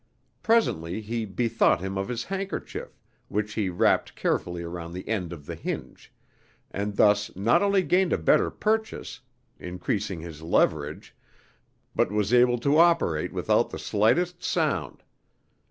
Presently he bethought him of his handkerchief, which he wrapped carefully around the end of the hinge, and thus not only gained a better purchase, increasing his leverage, but was able to operate without the slightest sound.